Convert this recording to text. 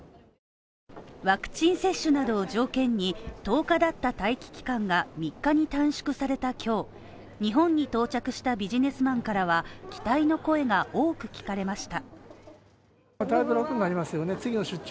ワクチン接種などを条件に１０日だった待機期間が３日に短縮された今日、日本に到着したビジネスマンからは期待の声が多く聞かれました。